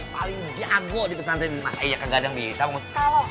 paling jago dipesanin mas iyaka gadang bisa bang ustadz